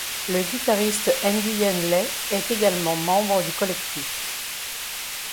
Le guitariste Nguyên Lê est également membre du collectif.